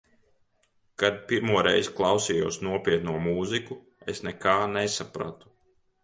Kad pirmo reizi klausījos nopietno mūziku, es nekā nesapratu.